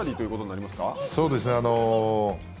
そうですね。